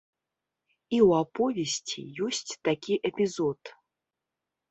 І ў аповесці ёсць такі эпізод.